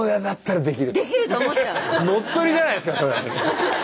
乗っ取りじゃないすかそれ！